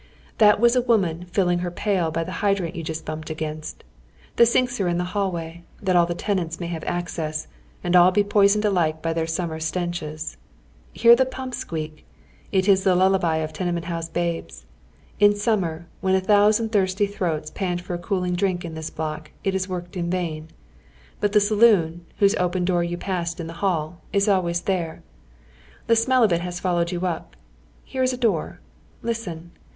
That was a woman filling her pail by the hydrant youjnst bumped against. The sinks are in the hallway, that all the tenants may have access — and all be poisoned alike by tiieir summer stenches. Hear the pnmp squeak 1 It is the lullaby of tenenient liouse babes. In summer, when a thousand tbii'sty tlii'oats pant for a cooling drink in this block, it is worked in vain. But the saloon, whose open door you passed in the ball, is always there. The smell of it has followed yon up. Here is a door. Listen